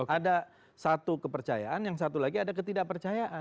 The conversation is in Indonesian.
ada satu kepercayaan yang satu lagi ada ketidak percayaan